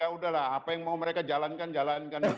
ya udahlah apa yang mau mereka jalankan jalankan